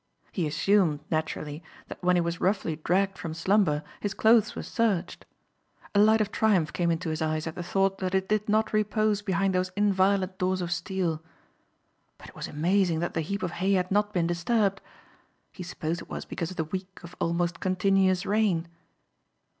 He assumed, naturally, that when he was roughly dragged from slumber his clothes were searched. A light of triumph came into his eyes at the thought that it did not repose behind those inviolate doors of steel. But it was amazing that the heap of hay had not been disturbed. He supposed it was because of the week of almost continuous rain.